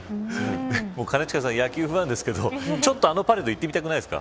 兼近さん、野球ファンですがちょっと、あのパレード行きたくないですか。